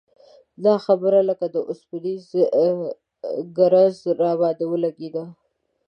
دا خبره لکه د اوسپنیز ګرز راباندې ولګېده.